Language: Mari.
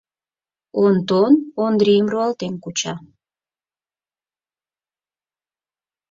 Онтон Ондрийым руалтен куча.